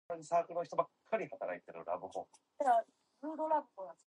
He intercepted another pass the following game against Incarnate Word.